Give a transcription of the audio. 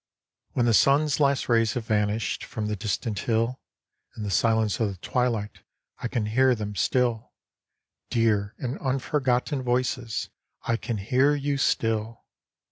T T THEN the sun's last rays have vanished ^^ From the distant hill, In the silence of the twilight I can hear them still, — Dear and unforgotten Voices ! I can hear you still